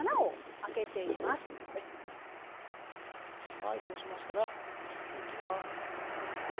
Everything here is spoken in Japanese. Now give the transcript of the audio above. はいそうしましたらのせていきます。